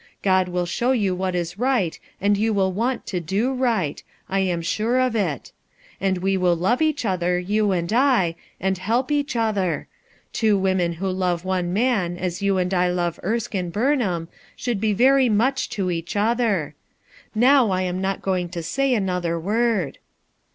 God will show you what is right and you will want to do right; I am sure of it. And A RETROGRADE MOVEMENT 357 we Till love each other, you and I, an{1 hc j each other. Two women who love one man as you and I love Erskine Burnham should ho very much to each other. Now I am not going to say anotlier word."